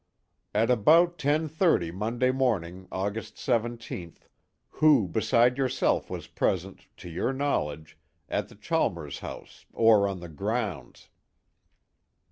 "At about 10:30 Monday morning, August 17th, who beside yourself was present, to your knowledge, at the Chalmers house or on the grounds?"